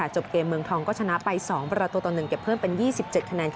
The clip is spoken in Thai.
จบเกมเมืองทองก็ชนะไป๒ประตูต่อ๑เก็บเพิ่มเป็น๒๗คะแนน